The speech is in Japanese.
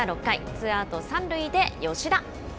ツーアウト３塁で吉田。